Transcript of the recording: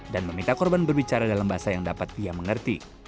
dan meminta korban berbicara dalam bahasa yang dapat dia mengerti